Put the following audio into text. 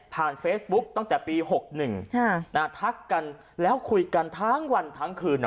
เฟซบุ๊กตั้งแต่ปี๖๑ทักกันแล้วคุยกันทั้งวันทั้งคืน